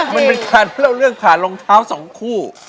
มันเป็นการเล่าเรื่องผ่านรองเท้าสองคู่